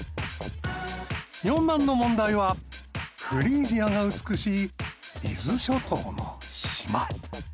４番の問題はフリージアが美しい伊豆諸島の島。